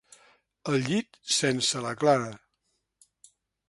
El llit sense la Clara.